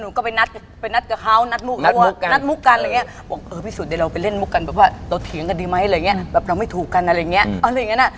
บอกเออพี่สุดเดียวเราไปเล่นมุกกันแบบว่าเราเถียงกันดีไหมแบบเราไม่ถูกกันอะไรอย่างเงี้ย